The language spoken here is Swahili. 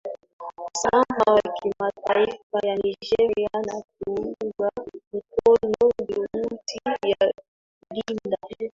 usalama wa kimataifa ya Nigeria na kuunga mkono juhudi za kulinda